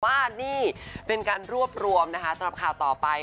ว่านี่เป็นการรวบรวมนะคะสำหรับข่าวต่อไป